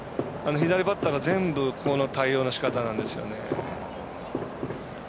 左バッターが全部この対応のしかたなんですよね。